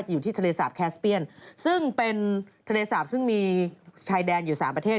อยู่ที่ทะเลสาปแคสเปียนซึ่งเป็นทะเลสาปซึ่งมีชายแดนอยู่สามประเทศ